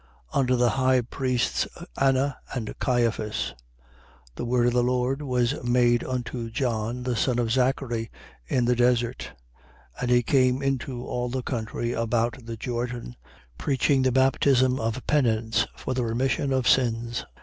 Under the high priests Anna and Caiphas: the word of the Lord was made unto John, the son of Zachary, in the desert. 3:3. And he came into all the country about the Jordan, preaching the baptism of penance for the remission of sins.